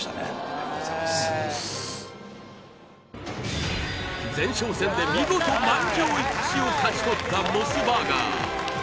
ありがとうございます前哨戦で見事満場一致を勝ち取ったモスバーガー